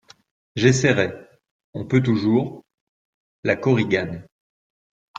J'essayerai ; on peut toujours … LA KORIGANE.